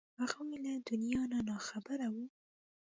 هغوی له دنیا نه نا خبرې وې.